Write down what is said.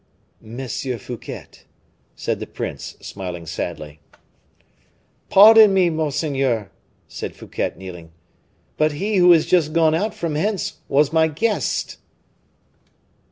"Monsieur Fouquet!" said the prince, smiling sadly. "Pardon me, monseigneur," said Fouquet, kneeling, "but he who is just gone out from hence was my guest."